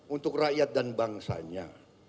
untuk rakyat dan bangsanya